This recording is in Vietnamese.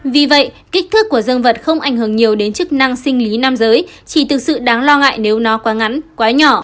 vì vậy kích thước của dân vật không ảnh hưởng nhiều đến chức năng sinh lý nam giới chỉ thực sự đáng lo ngại nếu nó quá ngắn quá nhỏ